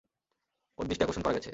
ওর দৃষ্টি আকর্ষণ করা গেছে।